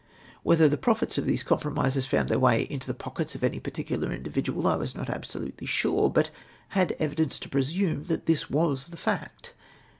Whether the profits of these compromises found their way into the pockets of any particular individual I was not absolutely sure, but had evidence to presume that this was the fact.